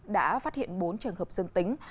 đã phát hiện bốn trường hợp dân tính